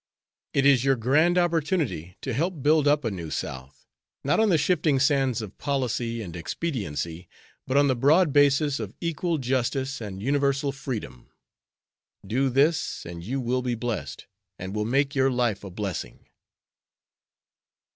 It is your grand opportunity to help build up a new South, not on the shifting sands of policy and expediency, but on the broad basis of equal justice and universal freedom. Do this and you will be blessed, and will make your life a blessing."